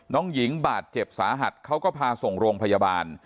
น้องหญิงบาดเจ็บสาหัสเขาก็พาส่งโรงพยาบาล